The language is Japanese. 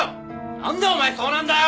なんでお前そうなんだよ！？